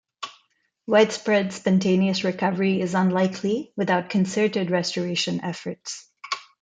Widespread spontaneous recovery is unlikely without concerted restoration efforts.